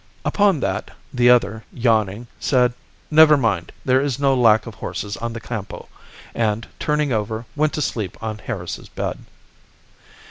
Upon that, the other, yawning, said, "Never mind, there is no lack of horses on the Campo." And, turning over, went to sleep on Harris's bed.